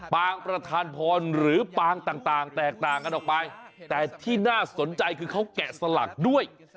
ปางประธานพรหรือปางต่างแตกต่างกันออกไปแต่ที่น่าสนใจคือเขาแกะสลักด้วย